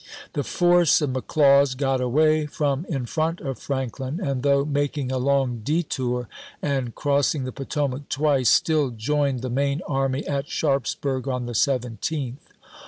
The force of McLaws got away from in front of Frank lin, and, though making a long detour and cross ing the Potomac twice, still joined the main army at Sharpsburg on the 17th.